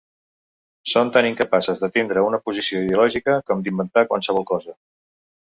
Són tan incapaces de tindre una posició ideològica com d'inventar qualsevol cosa.